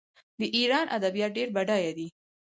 د ایران ادبیات ډیر بډایه دي.